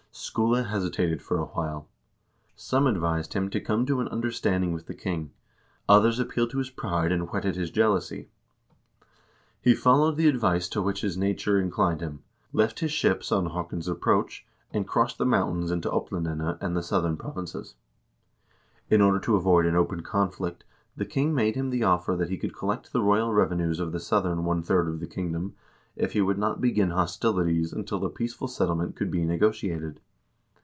Skule hesitated for a while. Some advised him to come to an understanding with the king, others appealed to his pride and whetted his jealousy. He followed the advice to which his nature inclined him, left his ships on Haakon's approach, and crossed the mountains into Op landene and the southern provinces. In order to avoid an open conflict the king made him the offer that he could collect the royal revenues of the southern one third of the kingdom if he would not begin hostilities until a peaceful settlement could be negotiated.